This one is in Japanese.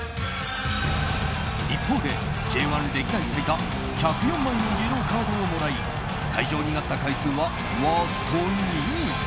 一方でＪ１歴代最多、１０４枚のイエローカードをもらい退場になった回数はワースト２位。